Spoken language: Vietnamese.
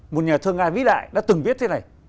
một nhà thơ nga vĩ đại đã từng viết thế này